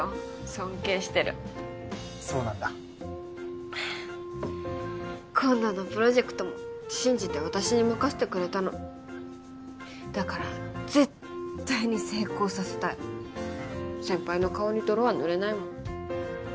尊敬してるそうなんだ今度のプロジェクトも信じて私に任せてくれたのだから絶対に成功させたい先輩の顔に泥は塗れないもん